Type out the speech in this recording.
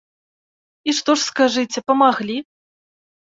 І што ж, скажыце, памаглі?